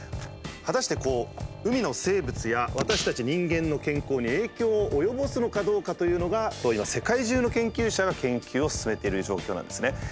果たしてこう海の生物や私たち人間の健康に影響を及ぼすのかどうかというのが今世界中の研究者が研究を進めている状況なんですね。